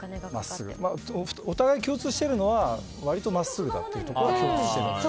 お互い共通しているのは割と真っすぐだということは共通してます。